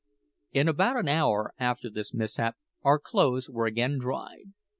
In about an hour after this mishap our clothes were again dried.